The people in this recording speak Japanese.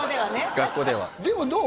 学校ではでもどう？